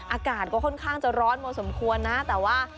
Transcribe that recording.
อากาศก็ค่อนข้างจะร้อนพอสมควรนะแต่ว่า